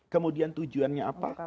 kemudian tujuannya apa